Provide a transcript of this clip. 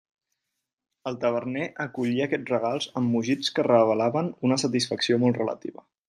El taverner acollia aquests regals amb mugits que revelaven una satisfacció molt relativa.